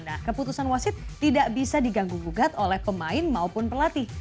nah keputusan wasit tidak bisa diganggu gugat oleh pemain maupun pelatih